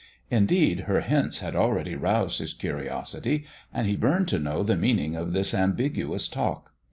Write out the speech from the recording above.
Indeed, her hints had already roused his curiosity, and he burned to know the meaning of this ambiguous talk.